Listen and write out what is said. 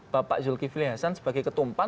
bapak zulkifli hasan sebagai ketumpan